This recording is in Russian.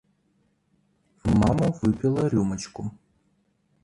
Мама выпила рюмочку.